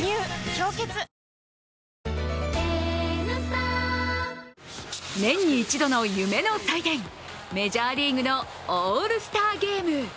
「氷結」年に一度の夢の祭典、メジャーリーグのオールスターゲーム。